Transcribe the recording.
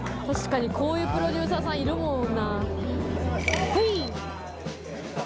こういうプロデューサーさん、いるもんな。